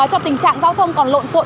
cho tình trạng giao thông còn lộn sột